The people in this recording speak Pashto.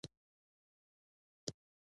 تیزاب او اساس په فزیکي تعامل اغېزه کوي.